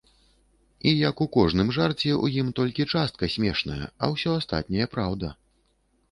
І як у кожным жарце, у ім толькі частка смешная, а ўсё астатняе праўда.